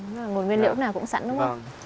một nguyên liệu nào cũng sẵn đúng không